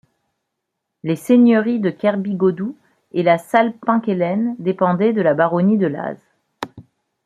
Les seigneuries de Kerbigodou et La Salle-Penquélen dépendaient de la baronnie de Laz.